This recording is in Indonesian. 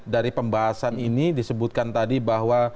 dari pembahasan ini disebutkan tadi bahwa